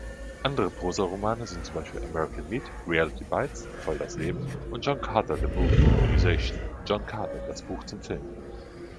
Andere Prosaromane sind z. B. „American Meat“, „Reality Bites“ (Voll das Leben) und „John Carter: The Movie Novelization“ (John Cater: Das Buch zum Film).